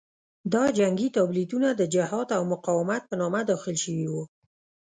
دا جنګي تابلیتونه د جهاد او مقاومت په نامه داخل شوي وو.